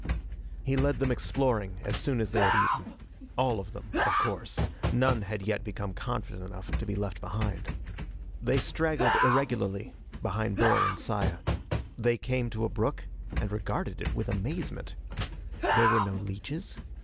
He led them exploring as soon as they had eaten. All of them, of course. None had yet become confident enough to be left behind. They straggled irregularly behind Burl and Saya. They came to a brook and regarded it with amazement. There were no leeches.